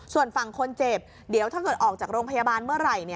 ส่วนฝั่งคนเจ็บเดี๋ยวถ้าเกิดออกจากโรงพยาบาลเมื่อไหร่